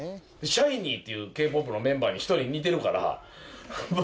ＳＨＩＮｅｅっていうＫ−ＰＯＰのメンバーに１人似てるからもう。